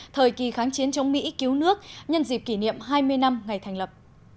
thời kỳ kháng chiến chống mỹ cứu nước nhân dịp kỷ niệm hai mươi năm ngày thành lập